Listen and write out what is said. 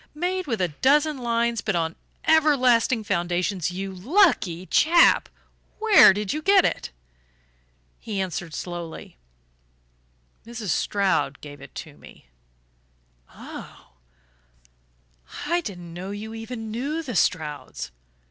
Made with a dozen lines but on everlasting foundations. You lucky chap, where did you get it?" He answered slowly: "Mrs. Stroud gave it to me." "Ah I didn't know you even knew the Strouds.